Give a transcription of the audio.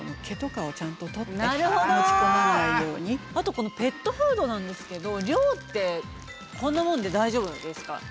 このペットフードなんですけど量ってこんなもんで大丈夫ですか？